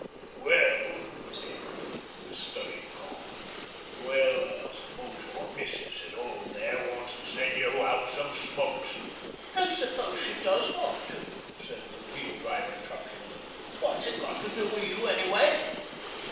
'Well,' he said, with studied calm, 'we'll s'pose your missis at 'ome there wants to sen' you out some smokes. ...' 'An s'pose she does want to?' said the Wheel Driver truculently. 'Wot's it got to do wi' you, anyway?'